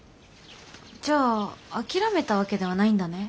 じゃあ諦めたわけではないんだね